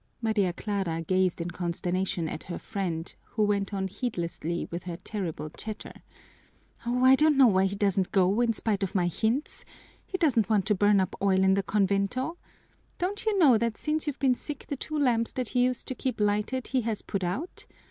Maria Clara gazed in consternation at her friend, who went on heedlessly with her terrible chatter: "Oh, I know why he doesn't go, in spite of my hints he doesn't want to burn up oil in the convento! Don't you know that since you've been sick the two lamps that he used to keep lighted he has had put out?